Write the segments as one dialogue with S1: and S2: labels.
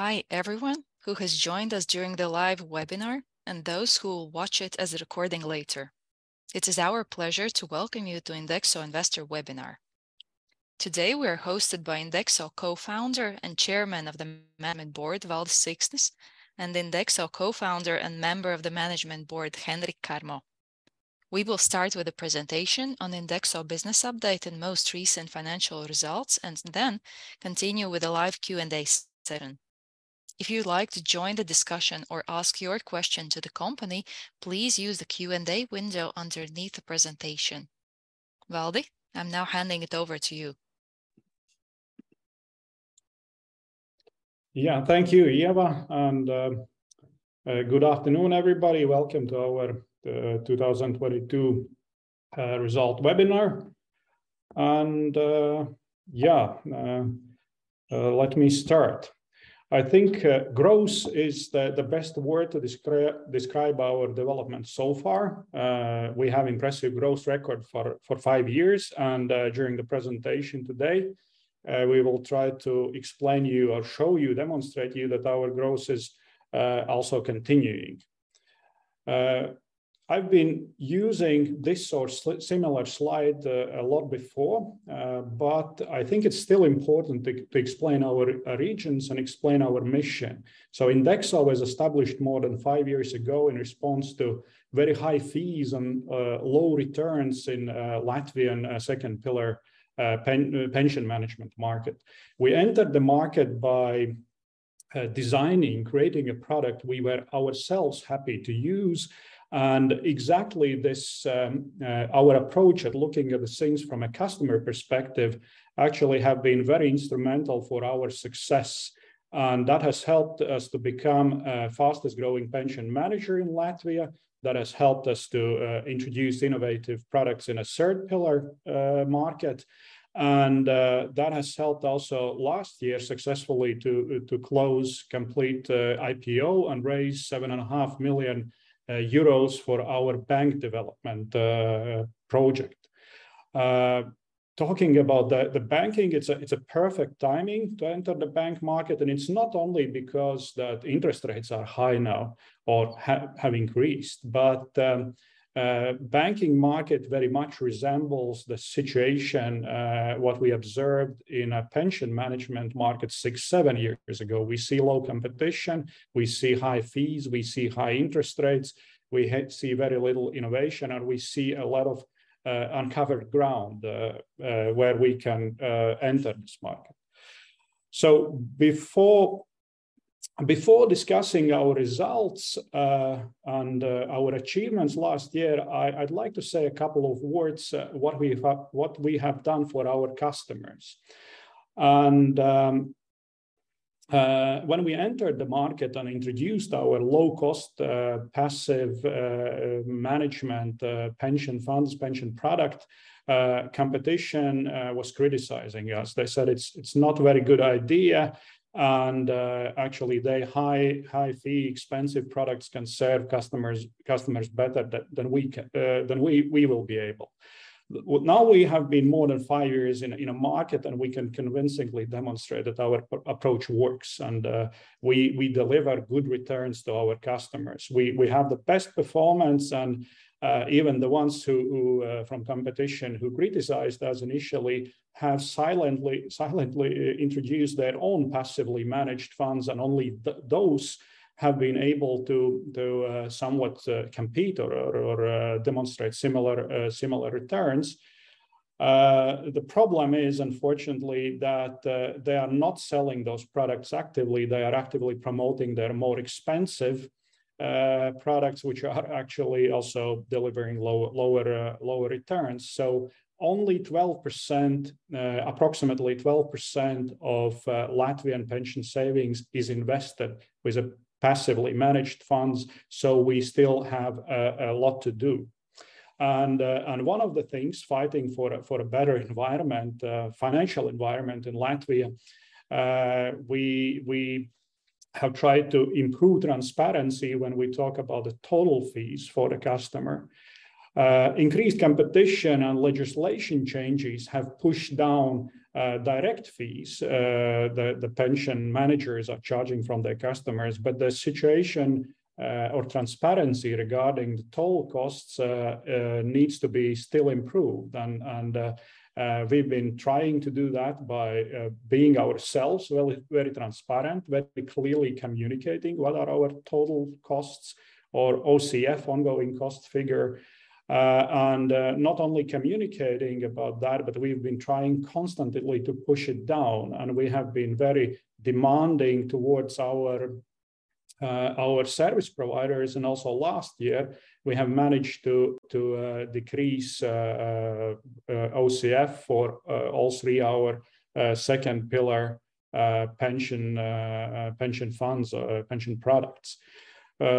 S1: Hi, everyone who has joined us during the live webinar and those who will watch it as a recording later. It is our pleasure to welcome you to INDEXO investor webinar. Today we are hosted by INDEXO Co-Founder and Chairman of the Management Board, Valdis Siksnis, and INDEXO Co-Founder and Member of the Management Board, Henriks Karmo. We will start with a presentation on INDEXO business update and most recent financial results, and then continue with a live Q&A session. If you'd like to join the discussion or ask your question to the company, please use the Q&A window underneath the presentation. Valdis, I'm now handing it over to you.
S2: Yeah. Thank you, Ieva, good afternoon, everybody. Welcome to our 2022 result webinar. Yeah, let me start. I think growth is the best word to describe our development so far. We have impressive growth record for five years and during the presentation today, we will try to explain you or show you, demonstrate you that our growth is also continuing. I've been using this or similar slide a lot before, but I think it's still important to explain our regions and explain our mission. INDEXO was established more than five years ago in response to very high fees and low returns in Latvian second pillar pension management market. We entered the market by designing, creating a product we were ourselves happy to use, and exactly this, our approach at looking at the things from a customer perspective actually have been very instrumental for our success, and that has helped us to become fastest-growing pension manager in Latvia. That has helped us to introduce innovative products in a third pillar market, and that has helped also last year successfully to close complete IPO and raise 7.5 million euros for our bank development project. Talking about the banking, it's a, it's a perfect timing to enter the bank market, and it's not only because that interest rates are high now or have increased, but banking market very much resembles the situation what we observed in a pension management market six, seven years ago. We see low competition, we see high fees, we see high interest rates, we see very little innovation, and we see a lot of uncovered ground where we can enter this market. Before discussing our results and our achievements last year, I'd like to say a couple of words what we have, what we have done for our customers. When we entered the market and introduced our low-cost, passive management pension funds, pension product, competition was criticizing us. They said it's not a very good idea, actually their high fee, expensive products can serve customers better than we will be able. Now we have been more than five years in a market, we can convincingly demonstrate that our approach works and we deliver good returns to our customers. We have the best performance, even the ones who from competition, who criticized us initially have silently introduced their own passively managed funds and only those have been able to somewhat compete or demonstrate similar returns. The problem is unfortunately that they are not selling those products actively. They are actively promoting their more expensive products, which are actually also delivering lower returns. Only 12%, approximately 12% of Latvian pension savings is invested with passively managed funds, so we still have a lot to do. One of the things, fighting for a, for a better environment, financial environment in Latvia, we have tried to improve transparency when we talk about the total fees for the customer. Increased competition and legislation changes have pushed down direct fees, the pension managers are charging from their customers. The situation, or transparency regarding the total costs, needs to be still improved, and we've been trying to do that by being ourselves very, very transparent, very clearly communicating what are our total costs or OCF, ongoing cost figure. And not only communicating about that, but we've been trying constantly to push it down, and we have been very demanding towards our service providers. And also last year, we have managed to decrease OCF for all three our second pillar pension pension funds, pension products.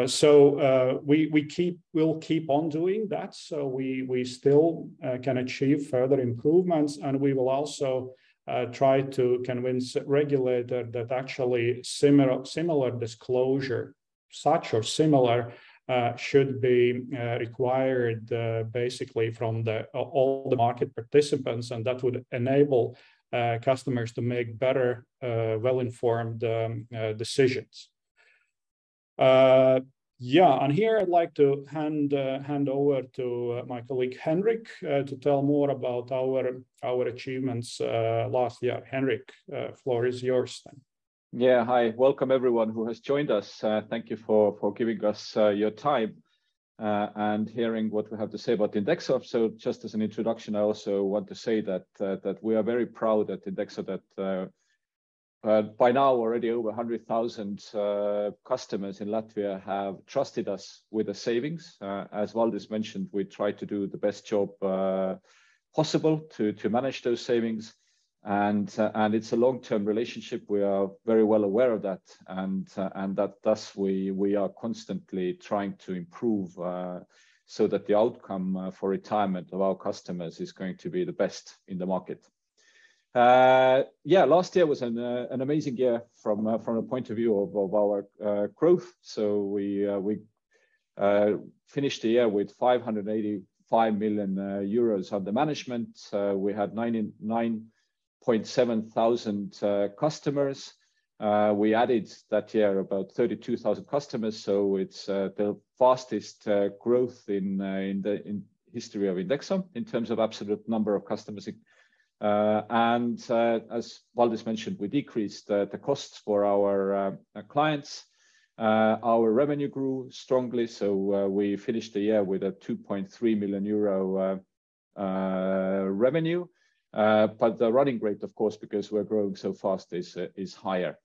S2: So, we keep, we'll keep on doing that, so we still can achieve further improvements, and we will also try to convince regulator that actually similar disclosure such or similar should be required basically from all the market participants, and that would enable customers to make better, well-informed decisions. Yeah, here I'd like to hand over to my colleague, Henriks, to tell more about our achievements last year. Henriks, floor is yours then.
S3: Yeah. Hi. Welcome everyone who has joined us. Thank you for giving us your time and hearing what we have to say about INDEXO. Just as an introduction, I also want to say that we are very proud at INDEXO that by now already over 100,000 customers in Latvia have trusted us with a savings. As Valdis mentioned, we try to do the best job possible to manage those savings. It's a long-term relationship, we are very well aware of that. That thus we are constantly trying to improve so that the outcome for retirement of our customers is going to be the best in the market. Yeah, last year was an amazing year from a point of view of our growth. We finished the year with 585 million euros under management. We had 9,700 customers. We added that year about 32,000 customers, so it's the fastest growth in the history of INDEXO in terms of absolute number of customers. As Valdis mentioned, we decreased the costs for our clients. Our revenue grew strongly, so we finished the year with a 2.3 million euro revenue. The running rate of course, because we're growing so fast is higher.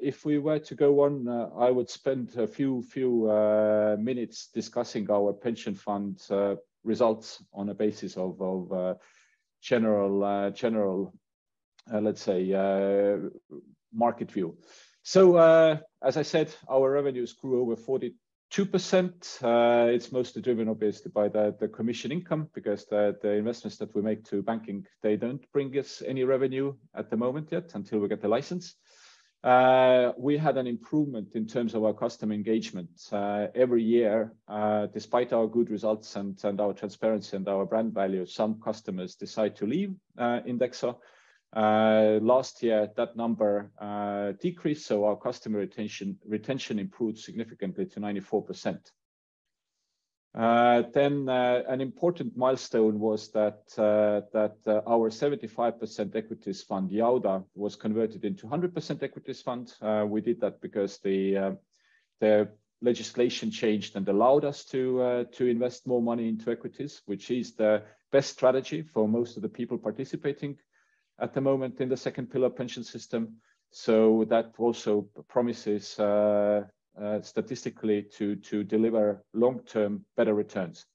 S3: If we were to go on, I would spend a few minutes discussing our pension fund, results on a basis of general, let's say, market view. As I said, our revenues grew over 42%. It's mostly driven obviously by the commission income because the investments that we make to banking, they don't bring us any revenue at the moment yet until we get the license. We had an improvement in terms of our customer engagement. Every year, despite our good results and our transparency and our brand value, some customers decide to leave, INDEXO. Last year that number decreased, so our customer retention improved significantly to 94%. An important milestone was that our 75% equities fund, JAUDA, was converted into a 100% equities fund. We did that because the legislation changed and allowed us to invest more money into equities, which is the best strategy for most of the people participating at the moment in the second pillar pension system. That also promises statistically to deliver long-term better returns.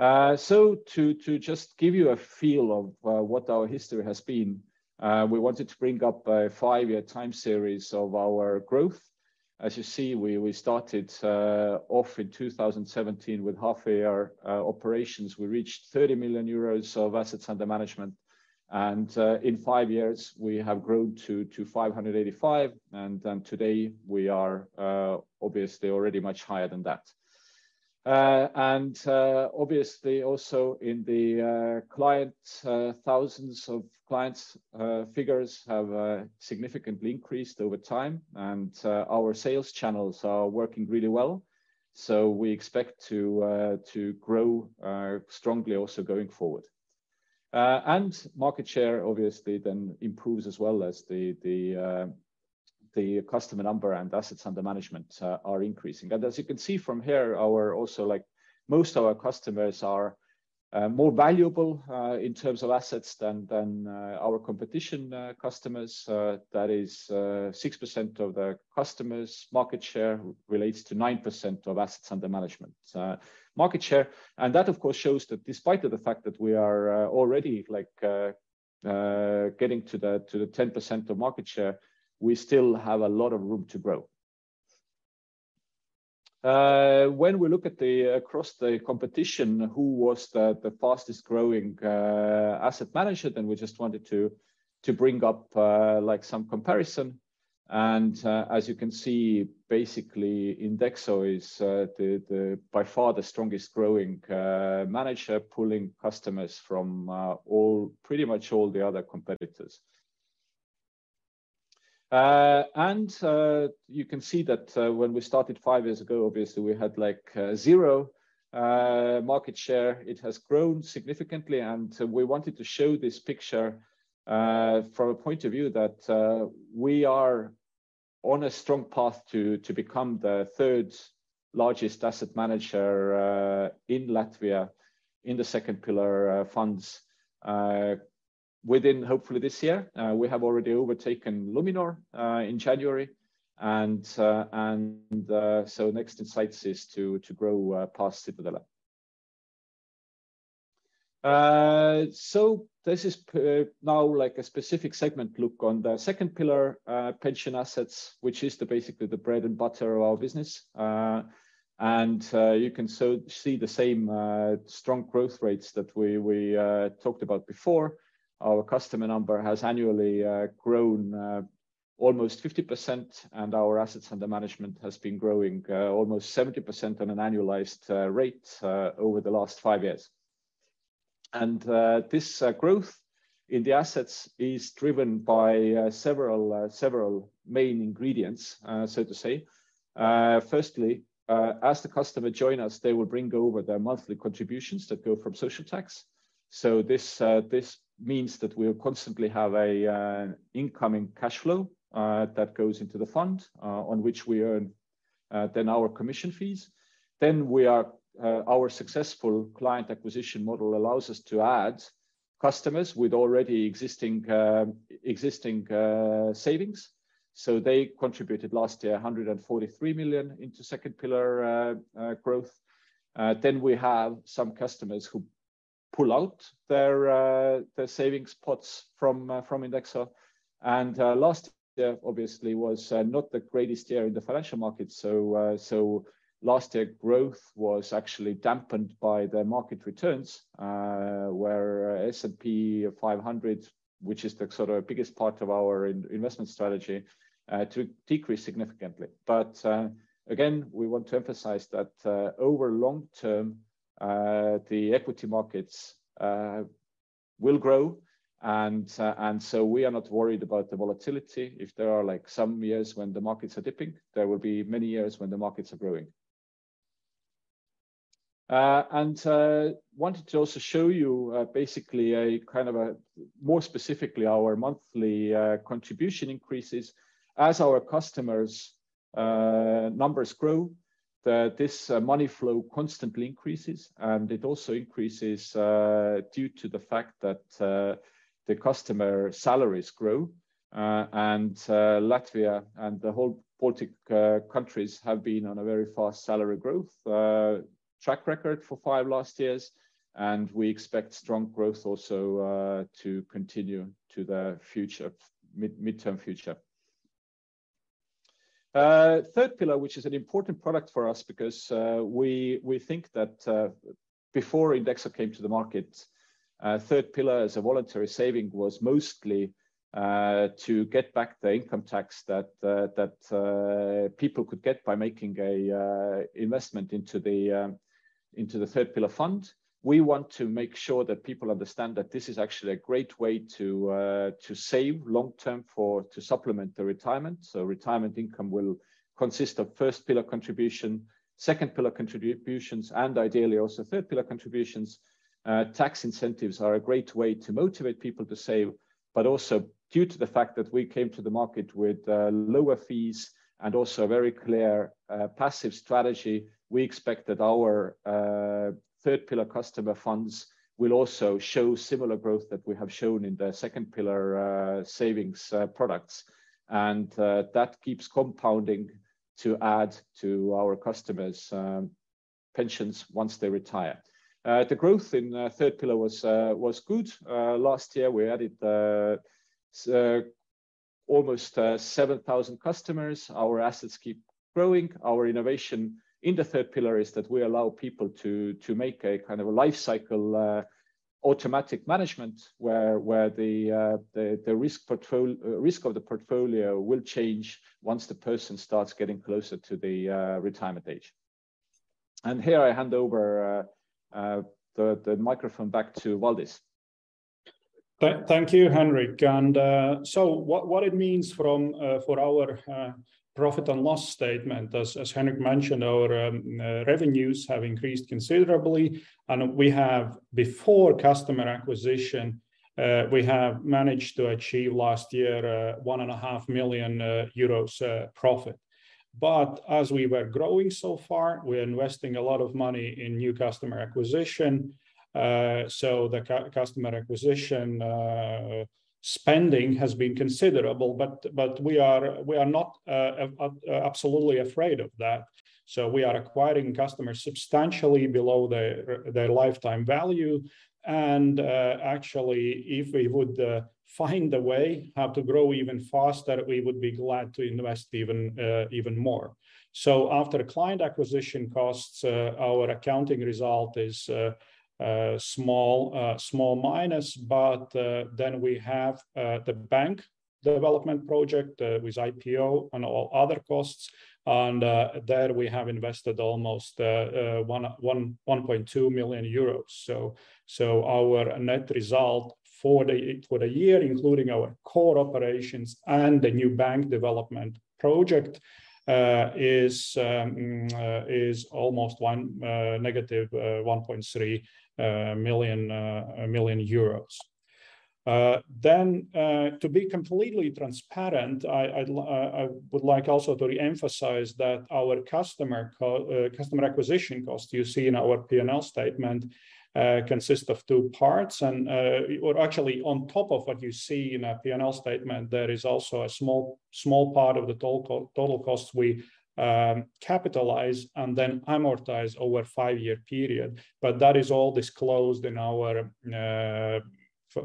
S3: To just give you a feel of what our history has been, we wanted to bring up a five-year time series of our growth. As you see, we started off in 2017 with half a year operations. We reached 30 million euros of assets under management, and in five years we have grown to 585 million, and today we are obviously already much higher than that. Obviously also in the client thousands of clients figures have significantly increased over time and our sales channels are working really well. We expect to grow strongly also going forward. Market share obviously then improves as well as the customer number and assets under management are increasing. As you can see from here, our also, like most of our customers are more valuable in terms of assets than our competition customers. That is, 6% of the customers' market share relates to 9% of assets under management market share. That of course shows that despite of the fact that we are already like getting to the 10% of market share, we still have a lot of room to grow. When we look at the across the competition, who was the fastest growing asset manager, then we just wanted to bring up like some comparison. As you can see, basically INDEXO is the by far the strongest growing manager pulling customers from all, pretty much all the other competitors. You can see that when we started five years ago, obviously we had like zero market share. It has grown significantly, and we wanted to show this picture, from a point of view that, we are on a strong path to become the third largest asset manager, in Latvian in the second pillar, funds, within hopefully this year. We have already overtaken Luminor, in January and so next in sights is to grow, past SEB. This is now like a specific segment look on the second pillar, pension assets, which is the basically the bread and butter of our business. You can so see the same, strong growth rates that we talked about before. Our customer number has annually grown almost 50% and our assets under management has been growing almost 70% on an annualized rate over the last five years. This growth in the assets is driven by several main ingredients, so to say. Firstly, as the customer join us, they will bring over their monthly contributions that go from social tax. This means that we constantly have a incoming cash flow that goes into the fund, on which we earn then our commission fees. Our successful client acquisition model allows us to add customers with already existing savings. They contributed last year 143 million into second pillar growth. Then we have some customers who pull out their their savings pots from from INDEXO. Last year obviously was not the greatest year in the financial market, so last year growth was actually dampened by the market returns, where S&P 500, which is the sort of biggest part of our in-investment strategy, to decrease significantly. Again, we want to emphasize that over long term, the equity markets will grow. So we are not worried about the volatility. If there are, like, some years when the markets are dipping, there will be many years when the markets are growing. Wanted to also show you more specifically our monthly contribution increases. As our customers' numbers grow, this money flow constantly increases. It also increases due to the fact that the customer salaries grow, and Latvia and the whole Baltic countries have been on a very fast salary growth track record for five last years. We expect strong growth also to continue to the future, mid-midterm future. Third pillar, which is an important product for us because we think that before INDEXO came to the market, third pillar as a voluntary saving was mostly to get back the income tax that people could get by making a investment into the third pillar fund. We want to make sure that people understand that this is actually a great way to save long-term for, to supplement their retirement. Retirement income will consist of first pillar contribution, second pillar contributions, and ideally, also third pillar contributions. Tax incentives are a great way to motivate people to save, but also due to the fact that we came to the market with lower fees and also very clear passive strategy, we expect that our third pillar customer funds will also show similar growth that we have shown in the second pillar savings products. That keeps compounding to add to our customers' pensions once they retire. The growth in third pillar was good. Last year, we added almost 7,000 customers. Our assets keep growing. Our innovation in the third pillar is that we allow people to make a kind of a life cycle automatic management where the risk of the portfolio will change once the person starts getting closer to the retirement age. Here I hand over the microphone back to Valdis.
S2: Thank you, Henriks. What it means from for our profit and loss statement, as Henriks mentioned, our revenues have increased considerably, and we have, before customer acquisition, we have managed to achieve last year 1.5 million euros profit. As we were growing so far, we're investing a lot of money in new customer acquisition, so the customer acquisition spending has been considerable, but we are not absolutely afraid of that. We are acquiring customers substantially below their lifetime value. Actually, if we would find a way how to grow even faster, we would be glad to invest even even more. After client acquisition costs, our accounting result is a small minus, then we have the bank development project with IPO and all other costs. There we have invested almost 1.2 million euros. Our net result for the year, including our core operations and the new bank development project, is almost negative 1.3 million euros. To be completely transparent, I'd like also to reemphasize that our customer acquisition cost you see in our P&L statement consists of two parts. Or actually, on top of what you see in our P&L statement, there is also a small part of the total cost we capitalize and then amortize over a five-year period. That is all disclosed in our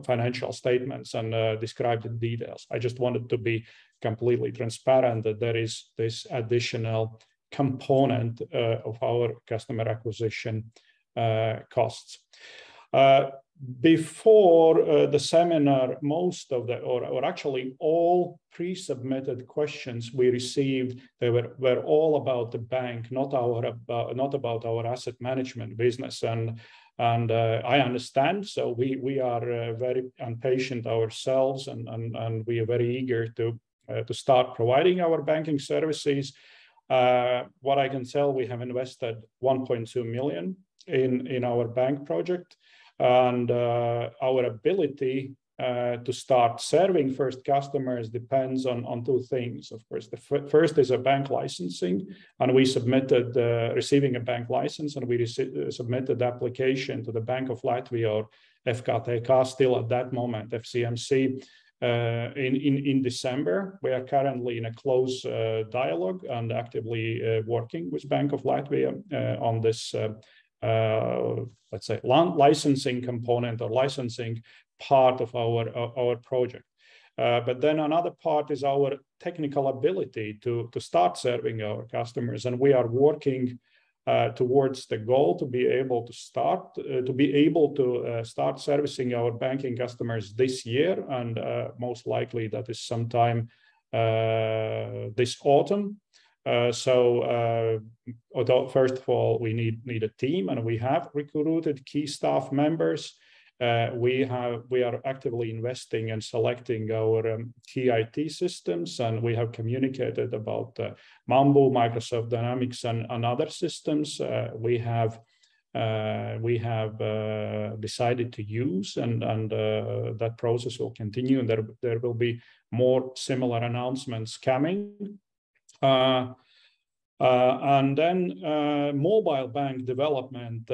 S2: financial statements and described in details. I just wanted to be completely transparent that there is this additional component of our customer acquisition costs. Before the seminar, actually all pre-submitted questions we received, they were all about the bank, not our not about our asset management business, and I understand. We are very impatient ourselves, and we are very eager to start providing our banking services. What I can tell, we have invested 1.2 million in our bank project. Our ability to start serving first customers depends on two things, of course. The first is a bank licensing. We submitted receiving a bank license, and we submitted application to the Bank of Latvia, FKTK still at that moment, FCMC, in December. We are currently in a close dialogue and actively working with Bank of Latvia on this, let's say licensing component or licensing part of our project. Another part is our technical ability to start serving our customers, and we are working towards the goal to be able to start servicing our banking customers this year, and most likely that is sometime this autumn. Although first of all, we need a team, and we have recruited key staff members. We are actively investing and selecting our key IT systems, and we have communicated about Mambu, Microsoft Dynamics and other systems we have decided to use, and that process will continue, and there will be more similar announcements coming. Then mobile bank development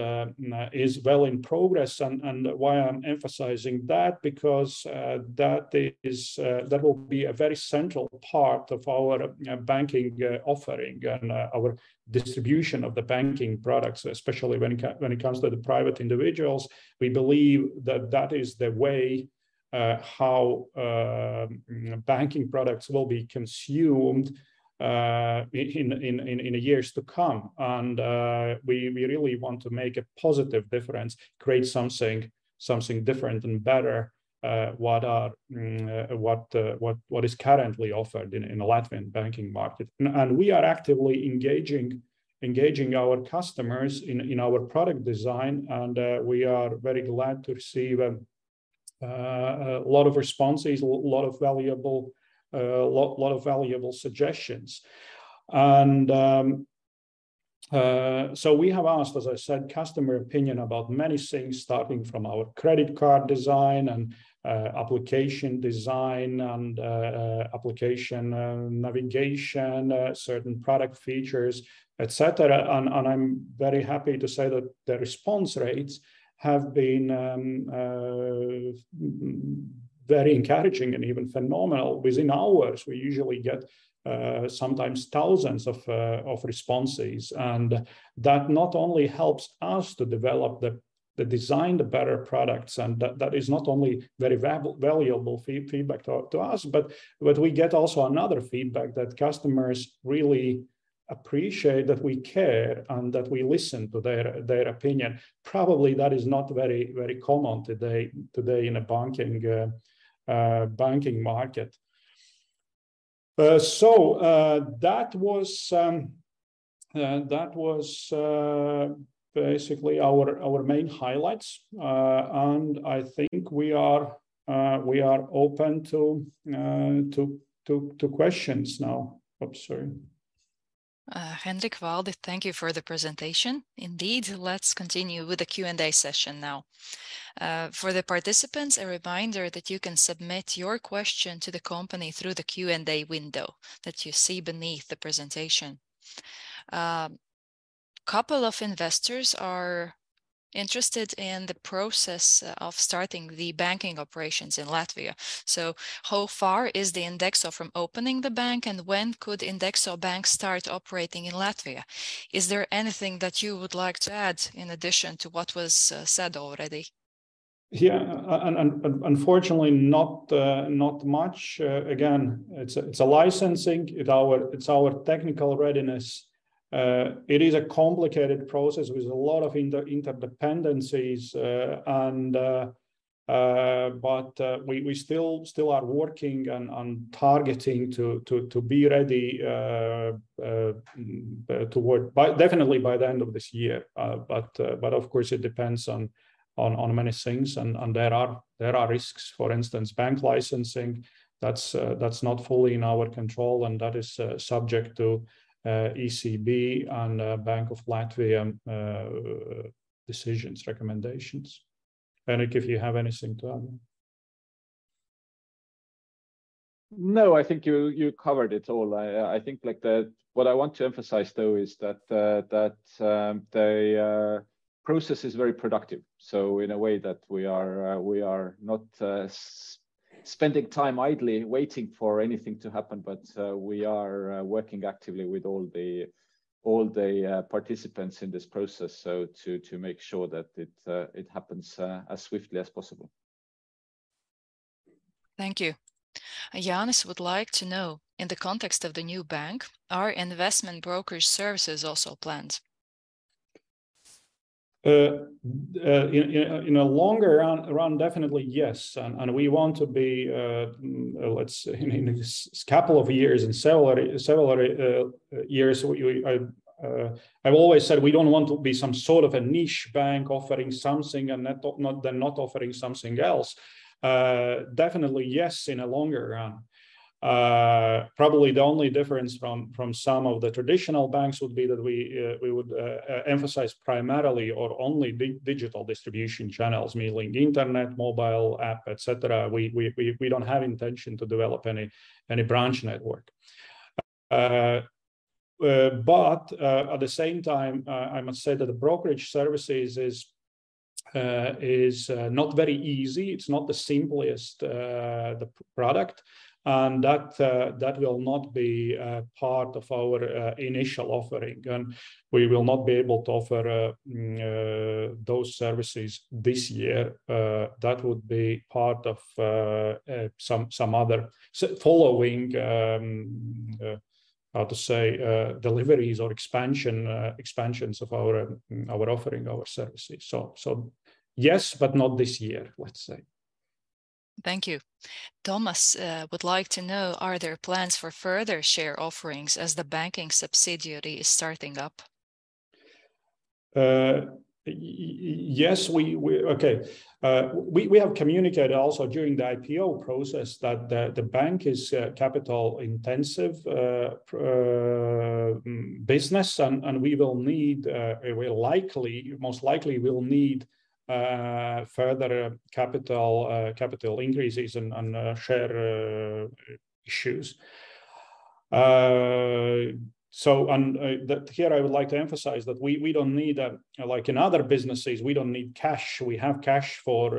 S2: is well in progress. We are emphasizing that because that will be a very central part of our banking offering and our distribution of the banking products, especially when it comes to private individuals. We believe that that is the way banking products will be consumed in the years to come. We really want to make a positive difference, create something different and better than what is currently offered in the Latvian banking market. We are actively engaging our customers in our product design, and we are very glad to receive a lot of responses, a lot of valuable suggestions So we have asked, as I said, customer opinion about many things, starting from our credit card design and application design and application navigation, certain product features, et cetera. I'm very happy to say that the response rates have been very encouraging and even phenomenal. Within hours we usually get sometimes thousands of responses. That not only helps us to develop the design, the better products, and that is not only very valuable feedback to us. What we get also another feedback that customers really appreciate that we care and that we listen to their opinion. Probably that is not very common today in the banking market. That was basically our main highlights. I think we are, we are open to questions now. Oops, sorry.
S1: Henriks, Valdis, thank you for the presentation. Indeed, let's continue with the Q&A session now. For the participants, a reminder that you can submit your question to the company through the Q&A window that you see beneath the presentation. Couple of investors are interested in the process of starting the banking operations in Latvia. How far is the INDEXO from opening the bank, and when could INDEXO Banka start operating in Latvia? Is there anything that you would like to add in addition to what was said already?
S2: Yeah. Unfortunately not much. Again, it's a licensing. It's our technical readiness. It is a complicated process with a lot of interdependencies, and, but, we still are working on targeting to be ready definitely by the end of this year. Of course it depends on many things, and there are risks. For instance, bank licensing, that's not fully in our control, and that is subject to ECB and Bank of Latvia decisions, recommendations. Henriks, if you have anything to add?
S3: I think you covered it all. I think like. What I want to emphasize though is that the process is very productive in a way that we are not spending time idly waiting for anything to happen. We are working actively with all the participants in this process to make sure that it happens as swiftly as possible.
S1: Thank you. Janice would like to know, in the context of the new bank, are investment brokerage services also planned?
S2: In a longer run, definitely yes. We want to be, let's say in this couple of years, in several years, we, I've always said we don't want to be some sort of a niche bank offering something and not, and not offering something else. Definitely yes, in a longer run. Probably the only difference from some of the traditional banks would be that we would emphasize primarily or only digital distribution channels, meaning internet, mobile app, et cetera. We don't have intention to develop any branch network. At the same time, I must say that the brokerage services is not very easy. It's not the simplest, the product, and that will not be part of our initial offering, and we will not be able to offer those services this year. That would be part of some other following, how to say, deliveries or expansion, expansions of our offering, our services. So yes, but not this year, let's say.
S1: Thank you. Thomas would like to know, are there plans for further share offerings as the banking subsidiary is starting up?
S2: Yes. We have communicated also during the IPO process that the bank is a capital intensive business and we will need, we'll likely, most likely will need further capital increases and share issues. That here I would like to emphasize that we don't need like in other businesses, we don't need cash. We have cash for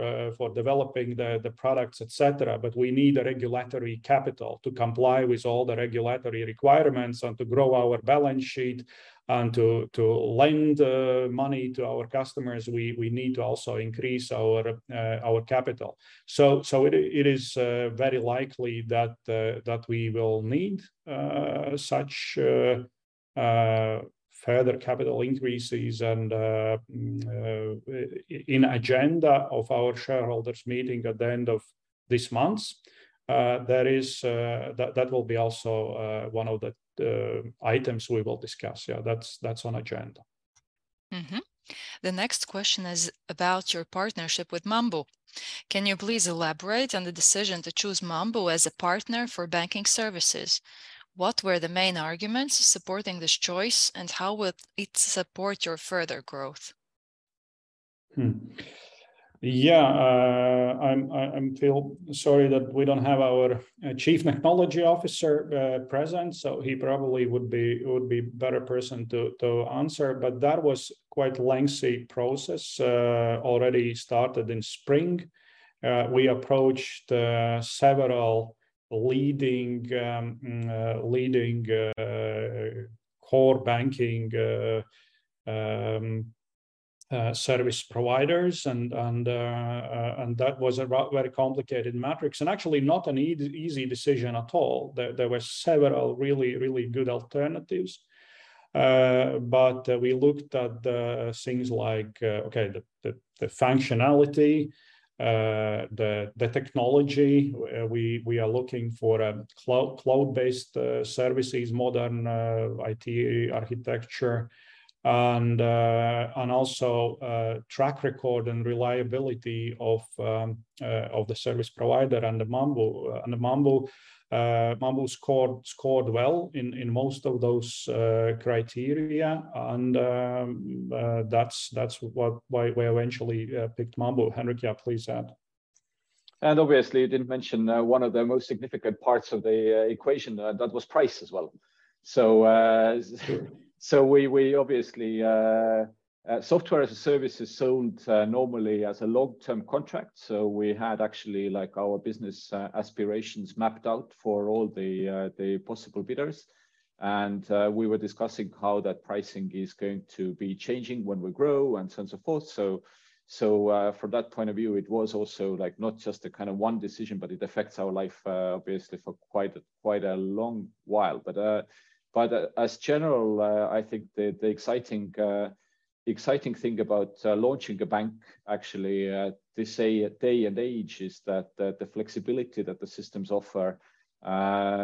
S2: developing the products, et cetera, but we need regulatory capital to comply with all the regulatory requirements and to grow our balance sheet and to lend money to our customers, we need to also increase our capital. It is very likely that we will need such further capital increases and in agenda of our shareholders meeting at the end of this month, that is, that will be also one of the items we will discuss. Yeah, that's on agenda.
S1: The next question is about your partnership with Mambu. Can you please elaborate on the decision to choose Mambu as a partner for banking services? What were the main arguments supporting this choice, and how would it support your further growth?
S2: Hmm. Yeah, I'm feel sorry that we don't have our Chief Technology Officer present, so he probably would be better person to answer. That was quite lengthy process already started in spring. We approached several leading core banking service providers and that was a very complicated matrix and actually not an easy decision at all. There were several really, really good alternatives. We looked at things like okay, the functionality, the technology. We are looking for cloud-based services, modern IT architecture and also track record and reliability of the service provider. Mambu scored well in most of those criteria, and that's what, why we eventually picked Mambu. Henriks, yeah, please add.
S3: Obviously you didn't mention, one of the most significant parts of the equation, that was price as well. We obviously, software as a service is sold, normally as a long-term contract. We had actually, like, our business aspirations mapped out for all the possible bidders. We were discussing how that pricing is going to be changing when we grow and so on, so forth. From that point-of-view, it was also, like, not just a kind of one decision, but it affects our life, obviously for quite a, quite a long while. As general, I think the exciting, the exciting thing about launching a bank actually, this day and age is that the flexibility that the systems offer,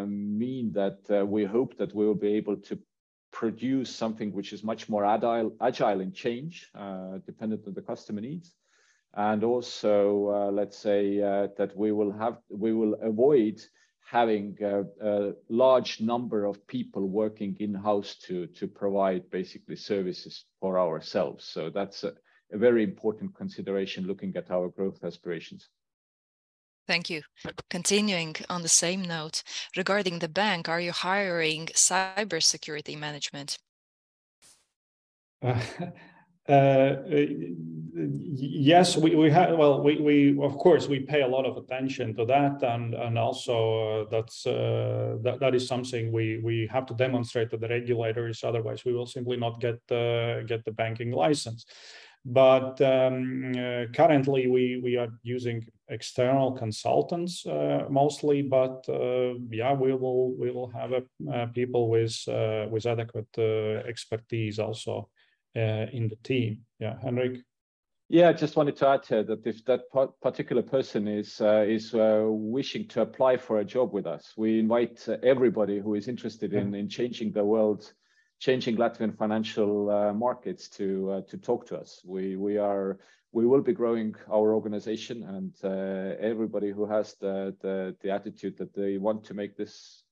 S3: mean that, we hope that we will be able to produce something which is much more agile in change, dependent on the customer needs. Also, let's say, that we will have, we will avoid having a large number of people working in-house to provide basically services for ourselves. That's a very important consideration looking at our growth aspirations.
S1: Thank you. Continuing on the same note, regarding the bank, are you hiring cybersecurity management?
S2: Yes. Well, we, of course, we pay a lot of attention to that and also that's. That is something we have to demonstrate to the regulators, otherwise we will simply not get the banking license. Currently, we are using external consultants, mostly, but yeah, we will have people with adequate expertise also in the team. Yeah. Henriks?
S3: Yeah, just wanted to add here that if that part-particular person is, wishing to apply for a job with us, we invite everybody who is interested.
S2: Yeah.
S3: In changing the world, changing Latvian financial markets to talk to us. We will be growing our organization and everybody who has the attitude that they want to make this,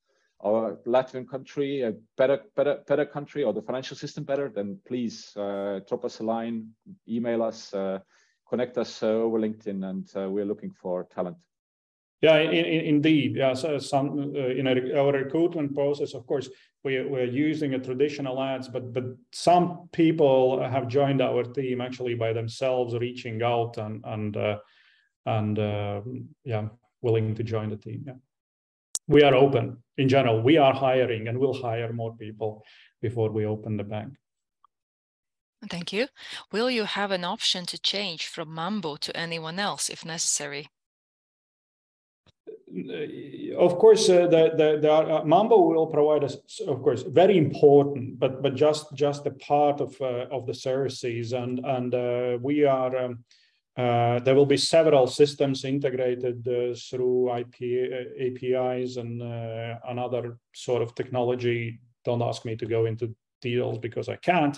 S3: our Latvian country a better country or the financial system better, then please drop us a line, email us, connect us over LinkedIn, and we're looking for talent.
S2: Yeah, indeed. Some, in our recruitment process, of course, we're using a traditional ads, but some people have joined our team actually by themselves reaching out and, yeah, willing to join the team, yeah. We are open. In general, we are hiring and we'll hire more people before we open the bank.
S1: Thank you. Will you have an option to change from Mambu to anyone else if necessary?
S2: Of course, Mambu will provide us, of course, very important but just a part of the services and we are there will be several systems integrated through APIs and another sort of technology. Don't ask me to go into details because I can't.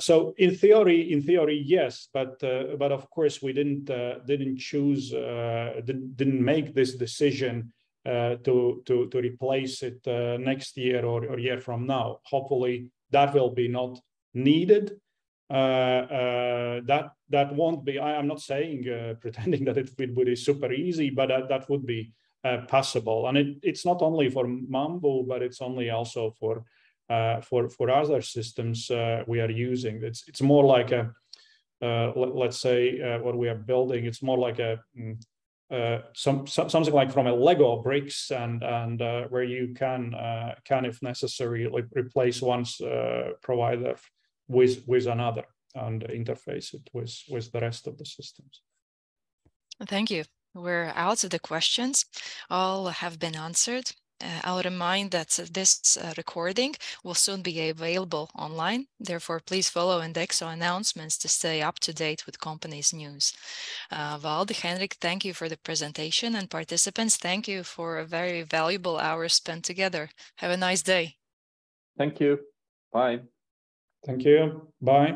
S2: So in theory, in theory, yes, but of course we didn't choose, didn't make this decision to replace it next year or a year from now. Hopefully, that will be not needed. That won't be. I am not saying, pretending that it will be super easy, but that would be possible. And it's not only for Mambu, but it's also for other systems we are using. It's more like a, let's say, what we are building, it's more like a something like from a Lego bricks and where you can, if necessary, like replace one's provider with another and interface it with the rest of the systems.
S1: Thank you. We're out of the questions. All have been answered. I would remind that this recording will soon be available online, therefore please follow INDEXO announcements to stay up-to-date with company's news. Valdi, Henriks, thank you for the presentation, and participants, thank you for a very valuable hour spent together. Have a nice day.
S3: Thank you. Bye.
S2: Thank you. Bye.